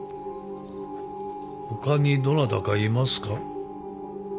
他にどなたかいますか？